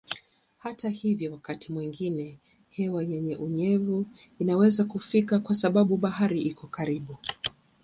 Hata hivyo wakati mwingine hewa yenye unyevu inaweza kufika kwa sababu bahari iko karibu.